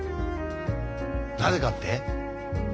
なぜかって？